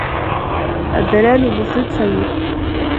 الدّلال المفرط سيّء.